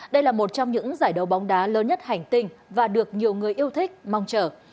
đây là một trong những giải đấu bóng đá lớn nhất hành tinh và được nhiều người yêu thích mong chờ